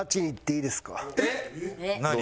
えっ！何？